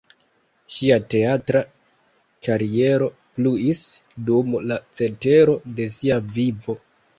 Ŝia teatra kariero pluis dum la cetero de sia vivo.